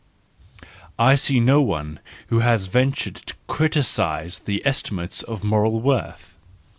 I see no one who has ventured to criticise the estimates of moral worth.